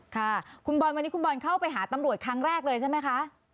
ค่ะคุณบอลวันนี้คุณบอลเข้าไปหาตำรวจครั้งแรกเลยใช่ไหมคะ